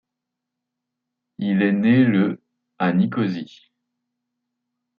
Il est né le à Nicosie.